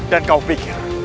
dan kau pikir